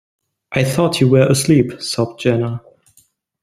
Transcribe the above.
"I thought you were asleep," sobbed Jenna.